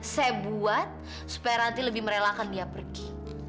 saya buat supaya ranti lebih merelakan lia pergi